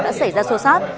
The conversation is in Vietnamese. đã xảy ra xô xát